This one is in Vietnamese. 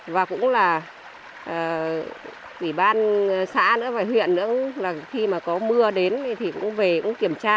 và cũng là ủy ban xã nữa và huyện nữa là khi mà có mưa đến thì cũng về cũng kiểm tra